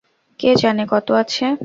কে জানে কত আছে।